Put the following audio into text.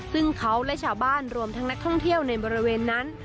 ซึ่งเขาและชาวบ้านรวมทั้งนักท่องเที่ยวในบริเวณนั้น